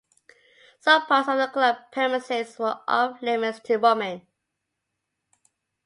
Some parts of the club premises were off-limits to women.